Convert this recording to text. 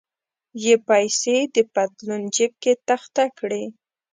یې پیسې د پتلون جیب کې تخته کړې.